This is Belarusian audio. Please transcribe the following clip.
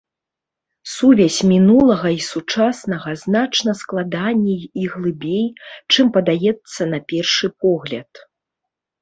Сувязь мінулага і сучаснага значна складаней і глыбей, чым падаецца на першы погляд.